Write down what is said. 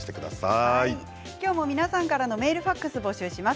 今日も皆さんからメール、ファックス募集します。